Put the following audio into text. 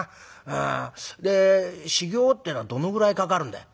で修業ってのはどのぐらいかかるんだい？」。